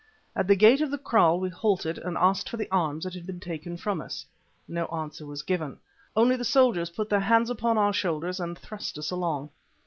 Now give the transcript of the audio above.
At the gate of the kraal we halted and asked for the arms that had been taken from us. No answer was given; only the soldiers put their hands upon our shoulders and thrust us along.